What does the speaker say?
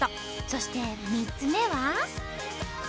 そして３つ目は。